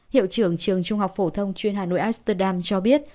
hiệu trưởng trường trung học phổ thông chuyên hà nội asterdam cho biết